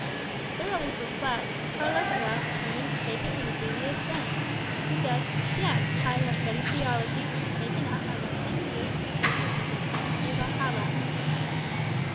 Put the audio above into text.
Thoroughly perplexed, Carlos at last determined to take it in its easiest sense. He said, "Yes; I have studied theology, and taken out my licentiate's degree at the University of Alcala."